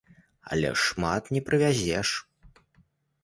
Але шмат не прывязеш.